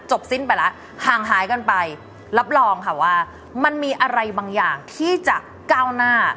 สิ้นไปแล้วห่างหายกันไปรับรองค่ะว่ามันมีอะไรบางอย่างที่จะก้าวหน้า